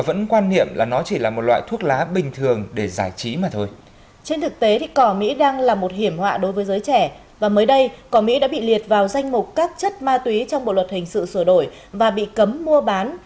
và mới đây cỏ mỹ đã bị liệt vào danh mục các chất ma túy trong bộ luật hình sự sửa đổi và bị cấm mua bán